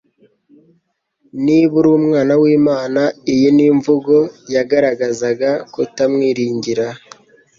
Niba uri umwana w'Imana.” Iyi ni imvugo yagaragazaga kutamwiringira